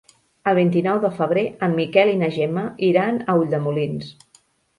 El vint-i-nou de febrer en Miquel i na Gemma iran a Ulldemolins.